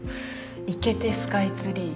いけてスカイツリー。